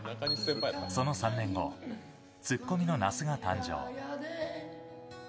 その３年後、ツッコミの那須が誕生。